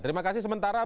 terima kasih sementara